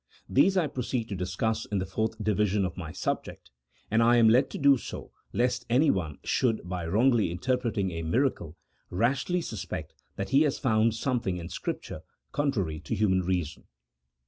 These I proceed to discuss in the fourth division of my subject, and I am led to do so lest anyone should, by wrongly interpreting a miracle, rashly suspect that he has found something in Scripture contrary to human reason.